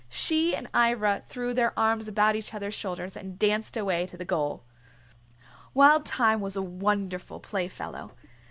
She and Ivra threw their arms about each other's shoulders and danced away to the goal. Wild Thyme was a wonderful playfellow.